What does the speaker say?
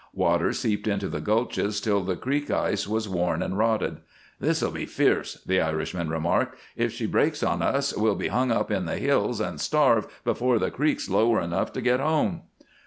Water seeped into the gulches till the creek ice was worn and rotted. "This 'll be fierce," the Irishman remarked. "If she breaks on us we'll be hung up in the hills and starve before the creeks lower enough to get home."